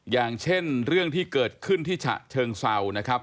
อย่างเช่นเรื่องที่เกิดขึ้นที่ฉะเชิงเศร้านะครับ